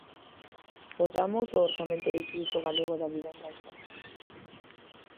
Votamos o orzamento do Instituto Galego da Vivenda e Solo.